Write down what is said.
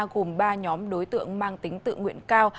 gồm ba nhóm đối tượng mang tính tự nguyện cao